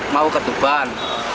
mau ke tuban